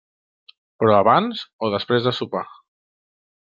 Però abans o després de sopar?